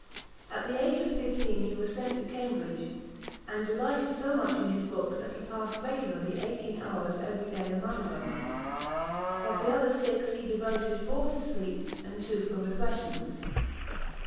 At the age of fifteen he was sent to Cambridge, and delighted so much in his books, that he passed regularly eighteen hours every day among them. Of the other six, he devoted four to sleep and two for refreshment.